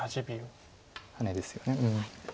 ハネですよね。